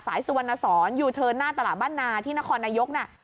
สุวรรณสอนยูเทิร์นหน้าตลาดบ้านนาที่นครนายกน่ะ